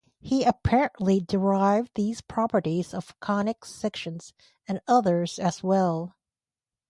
He apparently derived these properties of conic sections and others as well.